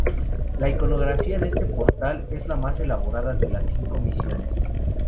La iconografía de este portal es la más elaborada de las cinco misiones.